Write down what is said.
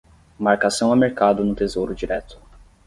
Marcação a mercado no Tesouro Direto